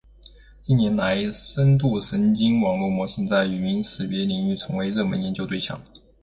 近年来，深度神经网络模型在语音识别领域成为热门研究对象。